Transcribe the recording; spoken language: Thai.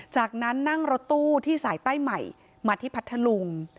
จากนั้นนั่งรถตู้ที่สายใต้ใหม่มาที่พัทธลุง